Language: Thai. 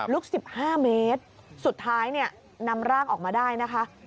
๑๕เมตรสุดท้ายเนี่ยนำร่างออกมาได้นะคะ